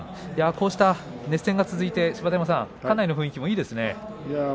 こうした熱戦が続いて芝田山さん館内の雰囲気もいいですね。